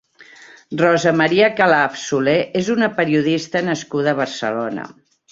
Rosa Maria Calaf Solé és una periodista nascuda a Barcelona.